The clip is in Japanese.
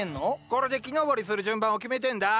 これで木登りする順番を決めてんだ！